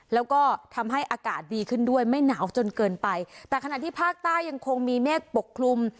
แล้วก็ทำให้อากาศดีขึ้นด้วยไม่หนาวจนเกินไปแต่ขณะที่ภาคใต้ยังคงมีเมฆปกคลุม